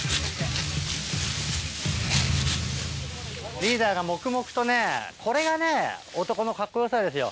リーダーが黙々とね、これがね、男のかっこよさですよ。